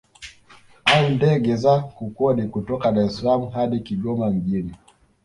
Au ndege za kukodi kutoka Dar es Salaam hadi Kigoma mjini